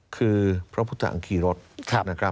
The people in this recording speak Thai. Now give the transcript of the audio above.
คือพระพุทธอังคีรฏ